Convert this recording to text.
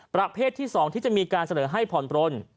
ประเภทที่๒ที่จะมีการเสนอให้ผ่อนปลน